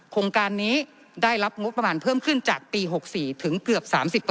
โครงการนี้ได้รับงบประมาณเพิ่มขึ้นจากปี๖๔ถึงเกือบ๓๐